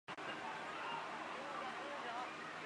阿拉苏阿伊是巴西米纳斯吉拉斯州的一个市镇。